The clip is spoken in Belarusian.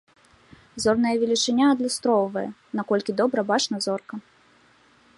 Зорная велічыня адлюстроўвае, наколькі добра бачна зорка.